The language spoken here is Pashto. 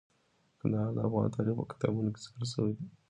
کندهار د افغان تاریخ په کتابونو کې ذکر شوی دي.